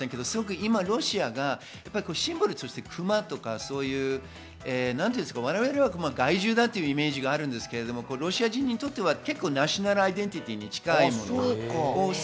今、ロシアがシンボルとしてクマとか、害獣だというイメージがありますが、ロシア人にとってはナショナルアイデンティティーに近いんです。